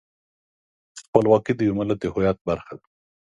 خپلواکي د یو ملت د هویت برخه ده.